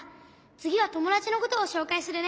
つぎはともだちのことをしょうかいするね。